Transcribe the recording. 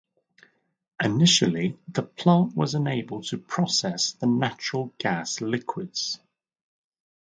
Initially the plant was unable to process natural gas liquids.